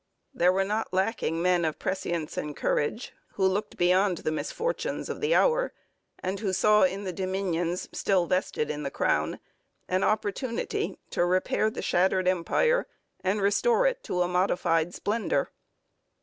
There were not lacking men of prescience and courage who looked beyond the misfortunes of the hour, and who saw in the dominions still vested in the crown an opportunity to repair the shattered empire and restore it to a modified splendour.